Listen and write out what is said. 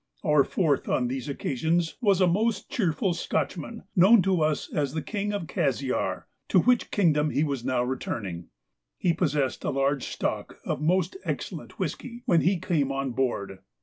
Our fourth on these occasions was a most cheerful Scotchman, known to us as the King of Cassiar, to which kingdom he was now returning. He possessed a large stock of most excellent whisky when he came on board.